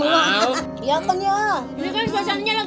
malam banget sama nenek